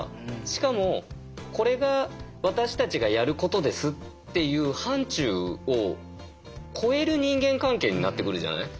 しかもこれが私たちがやることですっていう範ちゅうを超える人間関係になってくるじゃない？